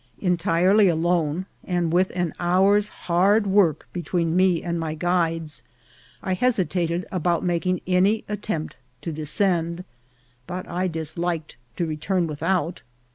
Entirely alone, and with an hour's very hard work between me and my guides, I hesitated about making any attempt to descend, but I disliked to return without.